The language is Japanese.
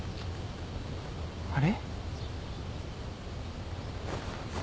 あれ？